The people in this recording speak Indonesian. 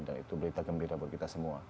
dan itu berita gembira buat kita semua